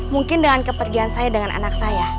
mungkin dengan kepergian saya dengan anak saya